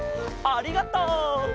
ありがとう！